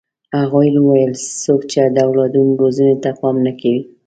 هغوی وویل څوک چې د اولادونو روزنې ته پام نه کوي.